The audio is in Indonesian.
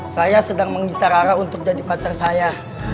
saya sedang menggita rara untuk jadi pacar saya